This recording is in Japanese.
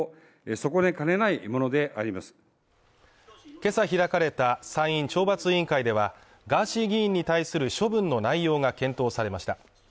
今朝開かれた参院懲罰委員会では、ガーシー議員に対する処分の内容が検討されました。